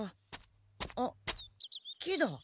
あっ木だ。